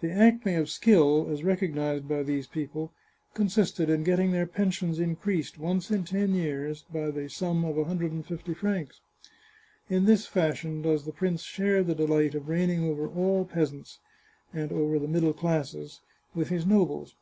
The acme of skill, as recognised by these people, consisted in get ting their pensions increased, once in ten years, by the sum of a hundred and fifty francs. In this fashion does the prince share the delight of reigning over all peasants, and over the middle classes, with his nobles.